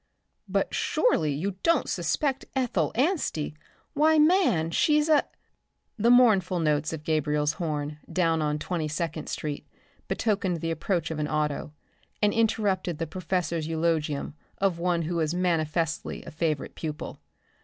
"But surely you don't suspect Ethel Anstey. Why, man, she's a" The mournful notes of a Gabriel's horn down at Twenty second street betokened the approach of an auto, and interrupted the professor's eulogium of one who was manifestly a favorite pupil.